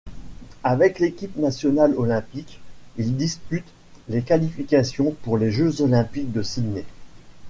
Avec l'équipe nationale olympique, il dispute les qualifications pour les Jeux olympiques de Sydney.